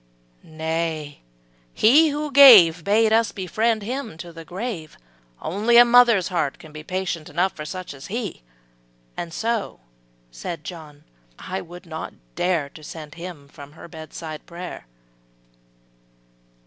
``Nay, He who gave, Bade us befriend him to the grave; Only a mother's heart can be Patient enough for such as he; And so,'' said John, ``I would not dare To send him from her bedside prayer.''